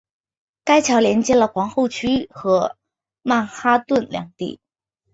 该桥连接了皇后区和曼哈顿两地。